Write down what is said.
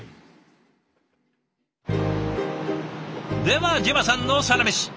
ではＪＥＶＡさんのサラメシ。